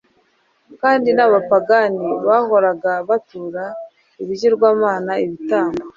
kandi b’abapagani bahoraga batura ibigirwamana ibitambo.